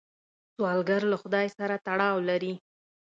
سوالګر له خدای سره تړاو لري